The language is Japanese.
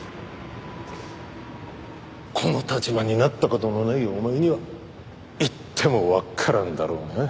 この立場になった事のないお前には言ってもわからんだろうな。